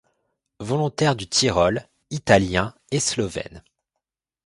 Volontaires du Tyrol, italiens et slovènes.